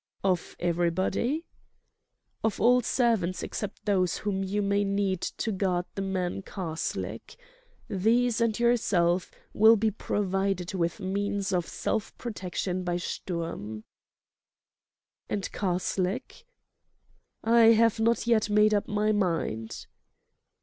"Of everybody?" "Of all servants except those whom you may need to guard the man Karslake. These and yourself will be provided with means of self protection by Sturm." "And Karslake?" "I have not yet made up my mind."